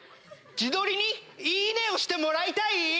自撮りに「いいね！」をしてもらいたい？